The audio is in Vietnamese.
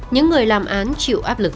những người làm án chịu áp lực